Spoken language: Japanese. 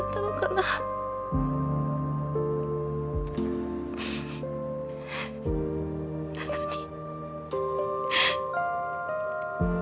なのに。